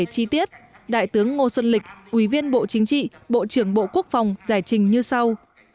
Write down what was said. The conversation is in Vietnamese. chi tiết đại tướng ngô xuân lịch ủy viên bộ chính trị bộ trưởng bộ quốc phòng giải trình như sau